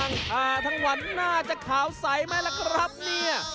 นั่งทาทางหวันหน้าจะขาวใสไหมละครับเนี่ย